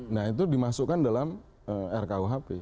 nah itu dimasukkan dalam rkuhp